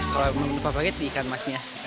kalau menurut pak pakit ikan masnya